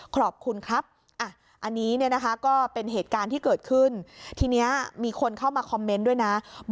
ขอบคุณครับอ่ะอันนี้เนี่ยนะคะก็เป็นเหตุการณ์ที่เกิดขึ้น